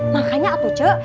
makanya atuh cuk